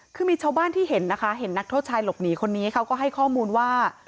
คือมีชาวบ้านที่เห็นนะคะเห็นนักโทษชายหลบหนีคนนี้เขาก็ให้ข้อมูลว่า